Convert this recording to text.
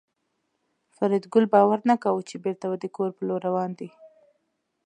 فریدګل باور نه کاوه چې بېرته د کور په لور روان دی